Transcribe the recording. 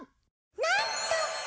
なんと！